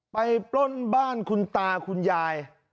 ปล้นบ้านคุณตาคุณยาย